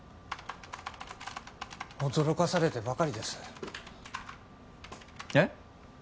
驚かされてばかりですえっ？